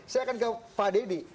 saya akan ke pak dedy